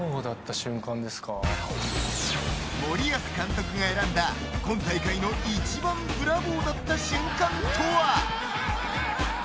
森保監督が選んだ今大会の一番ブラボーだった瞬間とは。